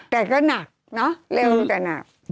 แต่ก็หนักเนอะเร็วแต่หนัก